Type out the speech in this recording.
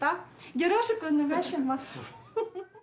よろしくお願いします。